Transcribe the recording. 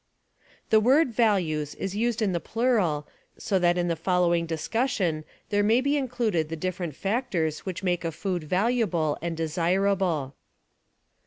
The word values is used in the plural, so that in the following dis cussion there may be included the different factors which make a food valuable and desirable.